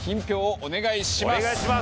お願いします。